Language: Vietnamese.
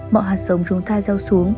mọi hạt giống chúng ta gieo xuống